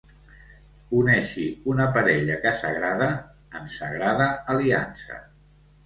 Uneixi una parella que s'agrada en sagrada aliança.